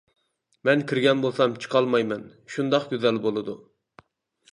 مەن كىرگەن بولسام چىقالمايمەن، شۇنداق گۈزەل بولىدۇ.